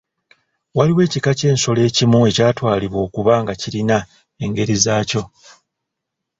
Waliwo ekika ky’ensolo ekimu ekyatwalibwanga okuba nga kirina engeri zaakyo.